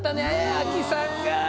アキさんが。ね！